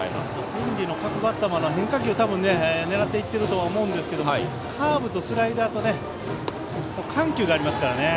天理の各バッターは変化球を狙っていると思いますがカーブとスライダーとね緩急がありますからね。